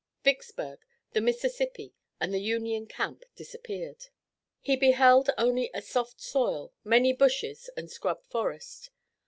Vicksburg, the Mississippi, and the Union camp disappeared. He beheld only a soft soil, many bushes and scrub forest.